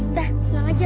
udah tenang aja